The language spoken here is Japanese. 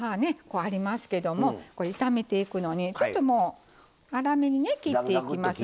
こうありますけどもこれ炒めていくのに粗めにね切っていきます。